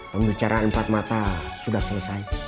pembicaraan empat mata sudah selesai